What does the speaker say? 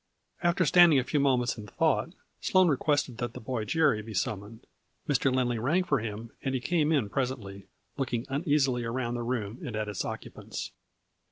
After standing a few moments in thought, Sloane requested that the boy Jerry be sum moned. Mr. Lindley rang for him and he came in presently, looking uneasily around the room and at its occupants.